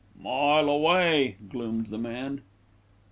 "Mile away," gloomed the man.